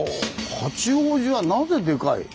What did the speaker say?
「八王子はなぜデカい？」。